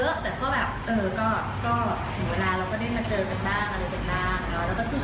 แต่ก็ถึงเวลาเราก็ได้มาเจอกันบ้างอะไรกันบ้างเนอะ